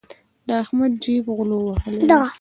د احمد جېب غلو وهلی دی.